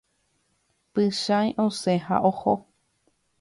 Pychãi osẽ ha oho.